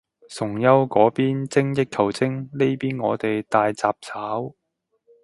崇優嗰邊精益求精，呢邊我哋大雜炒